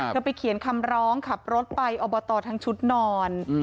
ไปเขียนคำร้องขับรถไปอบตทั้งชุดนอน